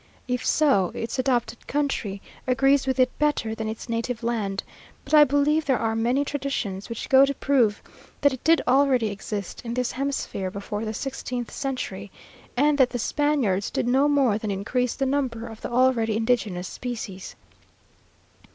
If so, its adopted country agrees with it better than its native land; but I believe there are many traditions which go to prove that it did already exist in this hemisphere before the sixteenth century, and that the Spaniards did no more than increase the number of the already indigenous species.